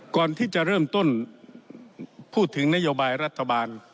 ก่อนที่จะเริ่มต้นพูดถึงนโยบายรัฐบาล